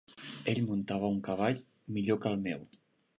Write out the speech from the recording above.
Ell muntava un cavall millor que el meu.